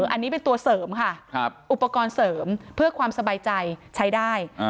อันนี้เป็นตัวเสริมค่ะอุปกรณ์เสริมเพื่อความสบายใจใช้ได้